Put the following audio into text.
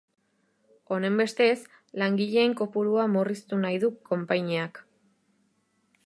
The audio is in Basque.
Honenbestez, langileen kopurua murriztu nahi du konpainiak.